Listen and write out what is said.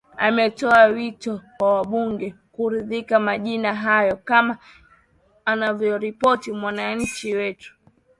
ametoa wito kwa wabunge kuridhia majina hayo kama anavyoripoti mwandishi wetu